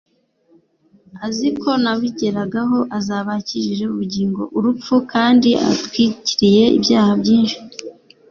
azi ko nabigeraho azaba akijije' "ubugingo urupfu" kandi "atwikiriye ibyaha byinshi."